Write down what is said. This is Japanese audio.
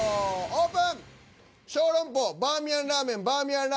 オープン。